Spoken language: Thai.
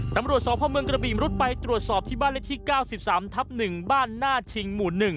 ตำรวจสพเมืองกระบีมรุดไปตรวจสอบที่บ้านเลขที่๙๓ทับ๑บ้านหน้าชิงหมู่๑